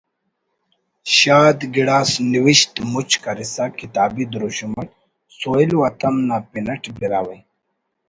شاد گڑاس نوشت مُچ کرسا کتابی دروشم اٹ ”سہیل و ہتم“ نا پن اٹ براہوئی